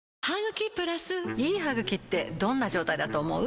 いい歯ぐきってどんな状態だと思う？